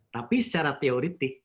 tapi secara teoritik